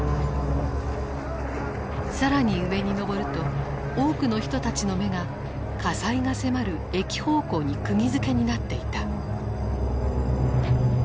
更に上に登ると多くの人たちの目が火災が迫る駅方向にくぎづけになっていた。